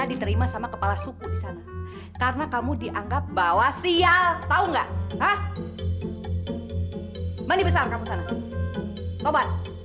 itu gituan aja lama banget